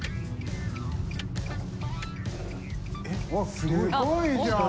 すごいじゃん。